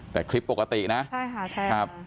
แต่คลิปปกตินะ